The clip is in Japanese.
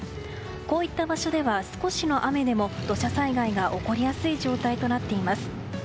こういった場所では少しの雨でも土砂災害が起こりやすい状態となっています。